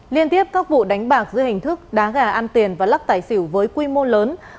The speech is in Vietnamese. liên tiếp các vụ đánh bạc dưới hình thức đá gà ăn tiền và lắc tài xỉu với quy mô lớn